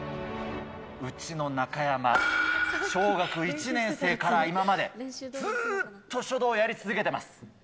うちの中山、小学１年生から今まで、ずっと書道やり続けてます。